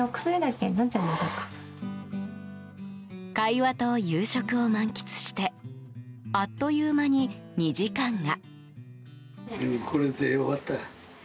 会話と夕食を満喫してあっという間に２時間が。